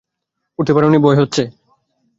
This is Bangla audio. উঠতে পারো নি না ভয় পেয়েছ?